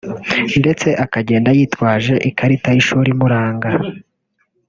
ndetse akagenda yitwaje ikarita y’ishuri imuranga